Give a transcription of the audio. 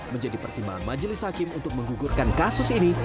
menjadi pertimbangan majelis hakim untuk menggugurkan kasus ini